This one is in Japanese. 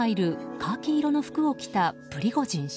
カーキ色の服を着たプリゴジン氏。